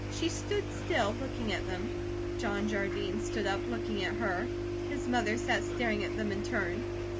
She stood still, looking at them. John Jardine stood up, looking at her. His mother sat staring at them in turn.